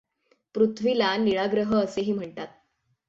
पृथ्वीला निळा ग्रह असेही म्हणतात.